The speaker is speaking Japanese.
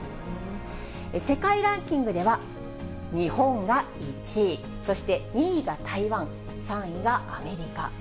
世界ランキングでは、日本が１位、そして、２位が台湾、３位がアメリカ。